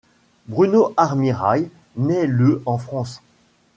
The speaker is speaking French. Bruno Armirail naît le en France.